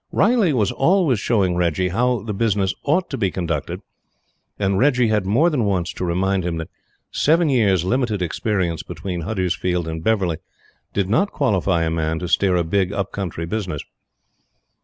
Riley was always showing Reggie how the business ought to be conducted, and Reggie had more than once to remind him that seven years' limited experience between Huddersfield and Beverly did not qualify a man to steer a big up country business.